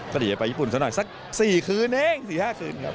ก็เดี๋ยวไปญี่ปุ่นซะหน่อยสักสี่คืนเองสี่ห้าคืนครับ